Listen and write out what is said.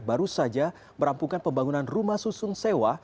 baru saja merampungkan pembangunan rumah susun sewa